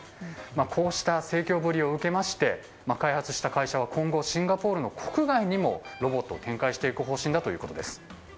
こうした盛況ぶりを受けまして開発した会社は今後、シンガポールの国外にもロボットを展開していく方針だということです。